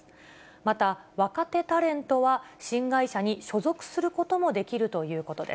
また、若手タレントは新会社に所属することもできるということで